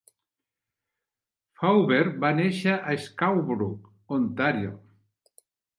Faubert va néixer a Scarborough, Ontàrio.